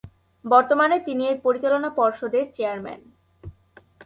বর্তমানে তিনি এর পরিচালনা পর্ষদের চেয়ারম্যান।